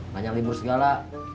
banyak libur segala